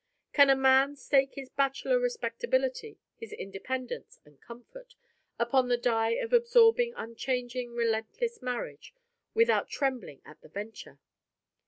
Can a man stake his bachelor respectability, his independence, and comfort, upon the die of absorbing, unchanging, relentless marriage, without trembling at the venture?